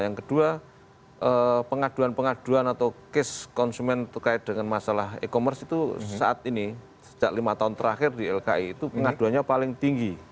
yang kedua pengaduan pengaduan atau case konsumen terkait dengan masalah e commerce itu saat ini sejak lima tahun terakhir di lki itu pengaduannya paling tinggi